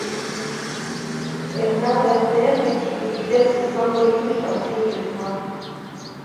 Bernard Werber utilise diverses symboliques dans ses livres.